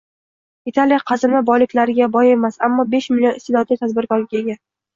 «Italiya qazilma boyliklariga boy emas, ammo besh million iste’dodli tadbirkorga ega»,.